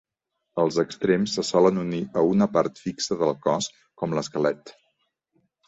Els extrems se solen unir a una part fixa del cos, com l'esquelet.